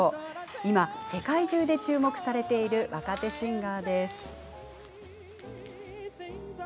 今、世界中で注目されている若手シンガーです。